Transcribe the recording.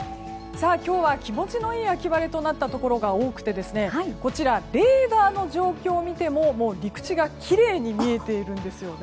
今日は気持ちのいい秋晴れとなったところが多くてこちら、レーダーの状況を見ても陸地がきれいに見えているんですよね。